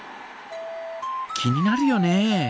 気になるよね。